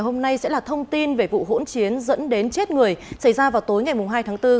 hôm nay sẽ là thông tin về vụ hỗn chiến dẫn đến chết người xảy ra vào tối ngày hai tháng bốn